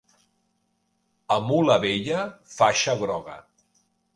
A mula vella, faixa groga.